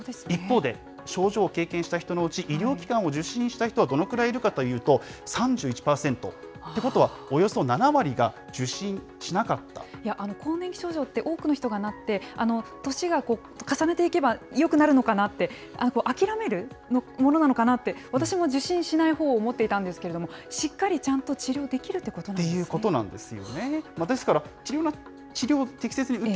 一方で、症状を経験した人のうち、医療機関を受診した人はどのくらいいるかというと３１％、ってことは、およそ７割が受診しなかっ更年期症状って、多くの人がなって、年が重ねていけばよくなるのかなって、諦めるものなのかなって、私も受診しないほうを思っていたんですけれども、しっかりちゃんと治療できるってことなんですね。